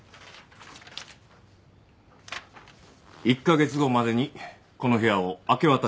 １カ月後までにこの部屋を明け渡してください。